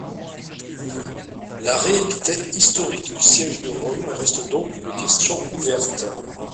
La réalité historique du Siège de Rome reste donc une question ouverte.